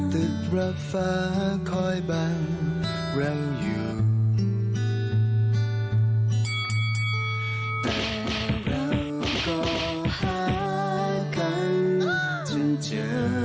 แต่เราก็หากันจนเจอ